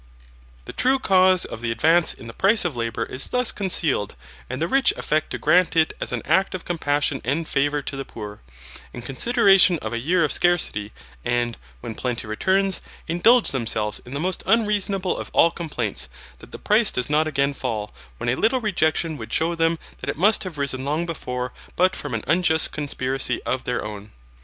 The true cause of the advance in the price of labour is thus concealed, and the rich affect to grant it as an act of compassion and favour to the poor, in consideration of a year of scarcity, and, when plenty returns, indulge themselves in the most unreasonable of all complaints, that the price does not again fall, when a little rejection would shew them that it must have risen long before but from an unjust conspiracy of their own.